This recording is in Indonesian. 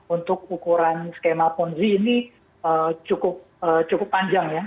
untuk ukuran skema ponzi ini cukup panjang ya